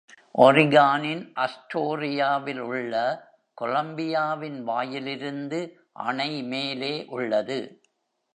ஓரிகானின் அஸ்டோரியாவில் உள்ள கொலம்பியாவின் வாயிலிருந்து அணை மேலே உள்ளது.